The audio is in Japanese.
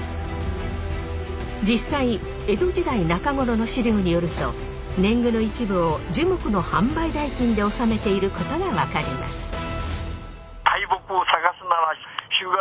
実際江戸時代中頃の史料によると年貢の一部を樹木の販売代金で納めていることが分かります。